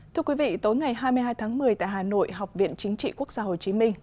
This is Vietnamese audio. thưa quý vị tối ngày hai mươi hai tháng một mươi tại hà nội học viện chính trị quốc gia hồ chí minh